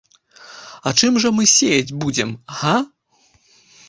А чым жа мы сеяць будзем? га?